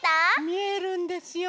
みえるんですよ。